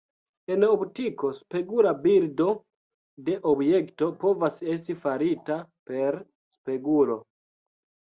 En optiko, spegula bildo de objekto povas esti farita per spegulo.